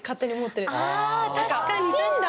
確かに。